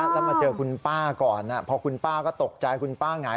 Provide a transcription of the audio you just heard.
แล้วมาเจอคุณป้าก่อนพอคุณป้าก็ตกใจคุณป้าหงาย